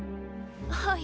はい。